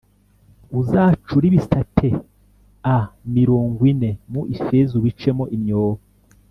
Uzacure ibisate a mirongo ine mu ifeza ubicemo imyobo